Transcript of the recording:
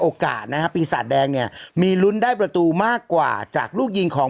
โอกาสนะฮะปีศาจแดงเนี่ยมีลุ้นได้ประตูมากกว่าจากลูกยิงของ